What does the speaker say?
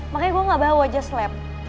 makanya gue gak bawa just lab